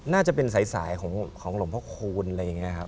น่าจะเป็นสายของหลวงพ่อคูณอะไรอย่างนี้ครับ